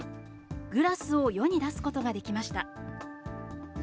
グラスを世に出すことができました。